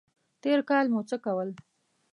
تېر کال مو څه کول؟